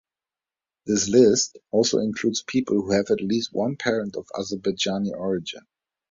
This list also includes people who have at least one parent of Azerbaijani origin.